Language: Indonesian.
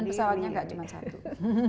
dan pesawatnya enggak cuma satu